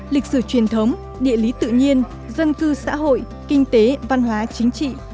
lịch sử truyền thống địa lý tự nhiên dân cư xã hội kinh tế văn hóa chính trị